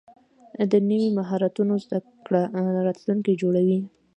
د نوي مهارتونو زده کړه راتلونکی جوړوي.